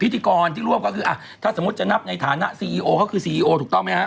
พิธีกรที่รวมก็คืออ่ะถ้าสมมติจะนับในฐานะเขาคือถูกต้องไหมฮะ